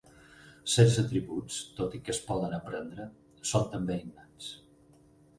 Certs atributs, tot i que es poden aprendre, són també innats.